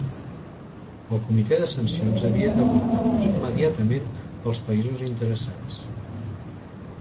El Comitè de Sancions havia d'abordar immediatament els països interessats.